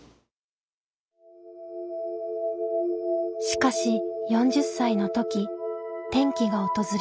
しかし４０歳の時転機が訪れる。